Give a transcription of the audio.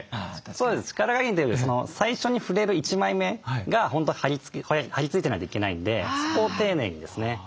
力加減というより最初に触れる１枚目が本当はり付いてないといけないんでそこを丁寧にですね。